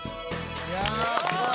いやあすごい！